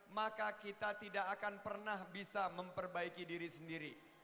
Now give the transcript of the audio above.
maka kita tidak akan pernah bisa memperbaiki diri sendiri